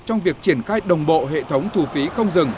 trong việc triển khai đồng bộ hệ thống thu phí không dừng